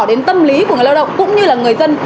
đến tâm lý của người lao động cũng như là người dân